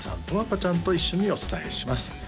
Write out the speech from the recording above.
十和子ちゃんと一緒にお伝えします